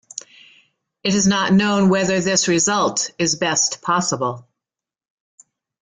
It is not known whether this result is best possible.